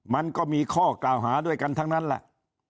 มันก็มีข้อกล่าวหาด้วยกันทั้งนั้นแหละ